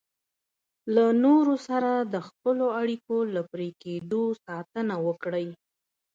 له نورو سره د خپلو اړیکو له پرې کېدو ساتنه وکړئ.